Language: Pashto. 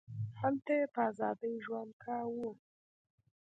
هلته یې په ازادۍ ژوند کاوه.